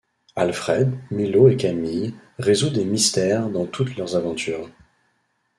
Alfred, Milo et Camille résout des mystères dans toutes leurs aventures.